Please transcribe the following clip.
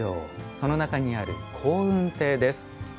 その中にある香雲亭です。